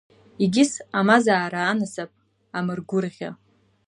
Егьыс амазаара анасыԥ, амыргәырӷьа.